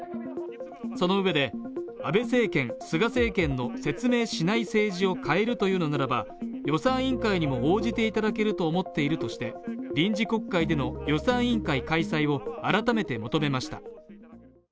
そのうえで、安倍政権・菅政権の説明しない政治を変えるというのならば、予算委員会にも応じていただけると思っているとして臨時国会での予算委員会開催を改めて求めました。